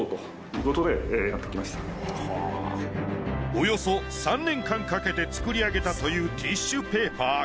およそ３年間かけて作り上げたというティッシュペーパー。